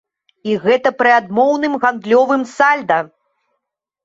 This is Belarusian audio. І гэта пры адмоўным гандлёвым сальда!